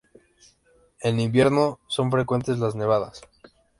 En invierno son frecuentes las nevadas.